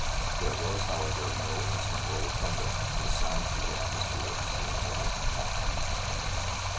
There was, however, no answering roll of thunder, and the silence of the atmosphere seemed almost awful.